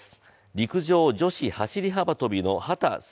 陸上・女子走り幅跳びの秦澄